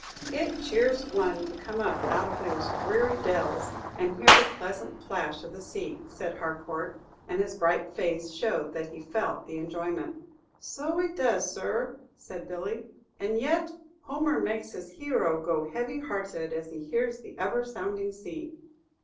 "It cheers one to come up out of those dreary dells, and hear the pleasant plash of the sea," said Harcourt; and his bright face showed that he felt the enjoyment. "So it does, sir," said Billy. "And yet Homer makes his hero go heavy hearted as he hears the ever sounding sea."